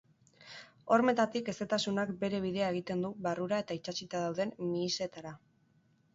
Hormetatik hezetasunak bere bidea egiten du barrura eta itsatsita dauden mihisetara.